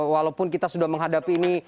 walaupun kita sudah menghadapi ini